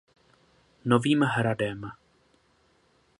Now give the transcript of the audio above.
Novým hradem.